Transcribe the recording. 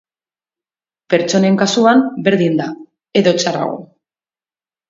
Pertsonen kasuan berdin da, edo txarrago.